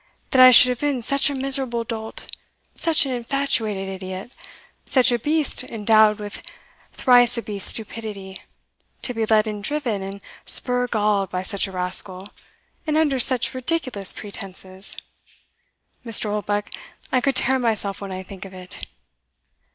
That I should have been such a miserable dolt such an infatuated idiot such a beast endowed with thrice a beast's stupidity, to be led and driven and spur galled by such a rascal, and under such ridiculous pretences! Mr. Oldbuck, I could tear myself when I think of it."